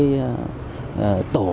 cũng như là các chỉ đạo